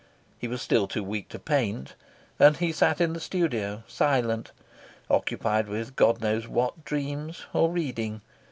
He was still too weak to paint, and he sat in the studio, silent, occupied with God knows what dreams, or reading.